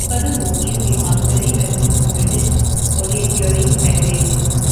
Furthermore, he is the Honorary President of the British Orienteering Federation.